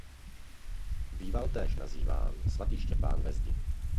Býval též nazýván "sv. Štěpán ve zdi".